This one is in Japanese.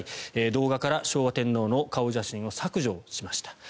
動画から昭和天皇の顔写真を削除しました。